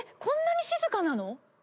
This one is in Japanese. こんなに静かなの？